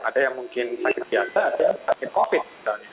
ada yang mungkin sakit biasa ada sakit covid